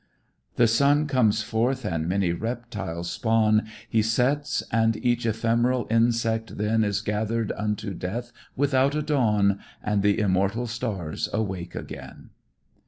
"The sun comes forth and many reptiles spawn, He sets and each ephemeral insect then Is gathered unto death without a dawn, And the immortal stars awake again."